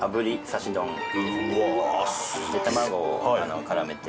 卵を絡めて。